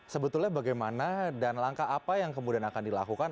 sebetulnya bagaimana dan langkah apa yang kemudian akan dilakukan